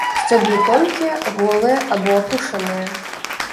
Сцёблы тонкія, голыя або апушаныя.